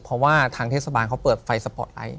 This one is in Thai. เพราะว่าทางเทศบาลเขาเปิดไฟสปอร์ตไลท์